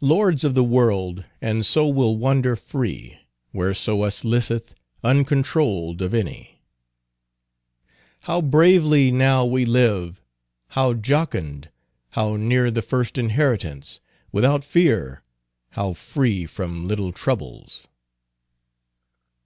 "Lords of the world, and so will wander free, Whereso us listeth, uncontroll'd of any." "How bravely now we live, how jocund, how near the first inheritance, without fear, how free from little troubles!"